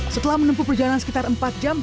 setelah menempuh perjalanan sekitar empat jam